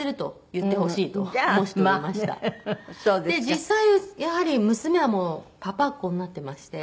実際やはり娘はもうパパっ子になってまして。